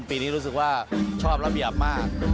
ปีนี้รู้สึกว่าชอบระเบียบมาก